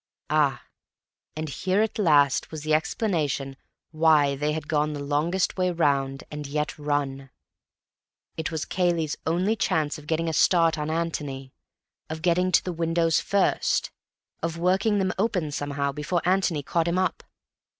Ah, and here at last was the explanation why they had gone the longest way round and yet run. It was Cayley's only chance of getting a start on Antony, of getting to the windows first, of working them open somehow before Antony caught him up.